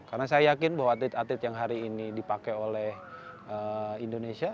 karena saya yakin bahwa atlet atlet yang hari ini dipakai oleh indonesia